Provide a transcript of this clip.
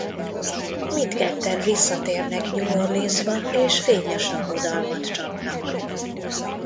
Mindketten visszatérnek New Orleansba és fényes lakodalmat csapnak.